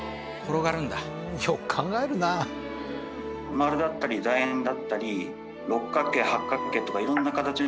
丸だったりだ円だったり六角形八角形とか色んな形のものを作って。